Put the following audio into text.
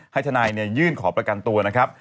ให้ทนายเนี่ยยื่นขอประกันตัวนะครับ